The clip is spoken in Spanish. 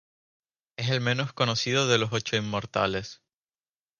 Es el menos conocido de los ocho inmortales.